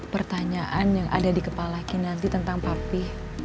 pertanyaan yang ada di kepala ki nanti tentang papi